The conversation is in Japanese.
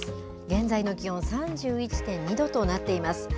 現在の気温３１．２度となっています。